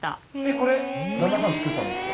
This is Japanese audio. これ旦那さん作ったんですか？